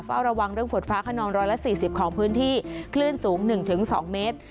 เฝ้าระวังเรื่องฝนฟ้าขนอง๑๔๐ของพื้นที่คลื่นสูง๑๒เมตร